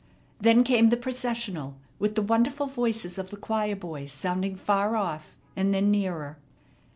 Then came the processional, with the wonderful voices of the choir boys sounding far off, and then nearer.